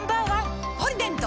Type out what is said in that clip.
「ポリデント」